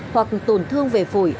hoặc tổn thương về phổi